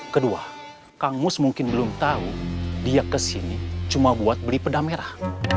kedua kang mus mungkin belum tahu dia kesini cuma buat beli pedah merah